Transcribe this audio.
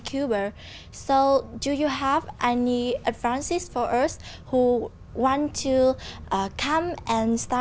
chủ tịch giám đốc đã